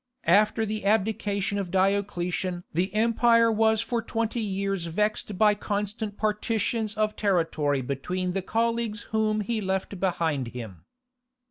After the abdication of Diocletian the empire was for twenty years vexed by constant partitions of territory between the colleagues whom he left behind him.